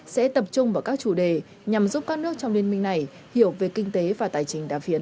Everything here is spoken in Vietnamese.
sẽ tập trung vào các chủ đề nhằm giúp các nước trong liên minh này hiểu về kinh tế và tài trình đa phiến